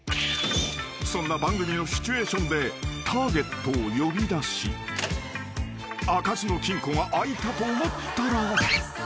［そんな番組のシチュエーションでターゲットを呼び出し開かずの金庫が開いたと思ったら］